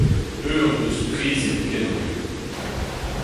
Ur meuz priziet-kenañ eo.